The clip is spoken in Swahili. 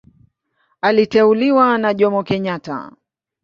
Aliteuliwa na Jomo Kenyatta.